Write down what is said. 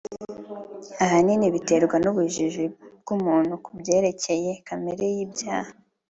Ahanini biterwa n’ubujiji bw’umuntu ku byerekeye kamere y'ibyaha,